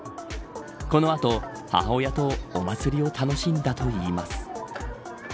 この後、母親とお祭りを楽しんだといいます。